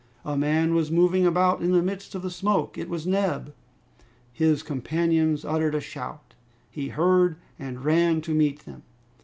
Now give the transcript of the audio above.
A man was moving about in the midst of the smoke. It was Neb. His companions uttered a shout. He heard, and ran to meet them.